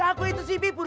aku itu si bibur